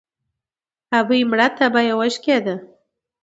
ـ ابۍ مړه تبه يې وشکېده.